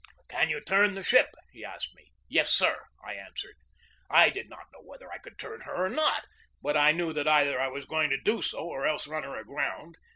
"Can you turn the ship?" he asked me. "Yes, sir," I answered. I did not know whether I could turn her or not, but I knew that either I was going to do so or else run her aground.